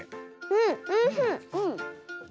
うん。